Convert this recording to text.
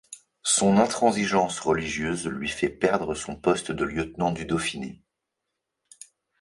Son intransigeance religieuse lui fait perdre son poste de lieutenant du Dauphiné.